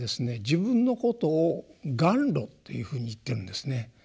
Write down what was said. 自分のことを「頑魯」というふうに言ってるんですね。